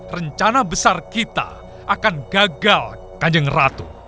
rencana besar kita akan gagal kanjeng ratu